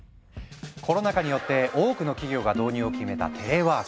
コロナ禍によって多くの企業が導入を決めたテレワーク。